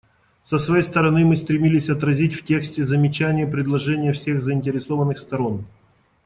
Со своей стороны, мы стремились отразить в тексте замечания и предложения всех заинтересованных сторон.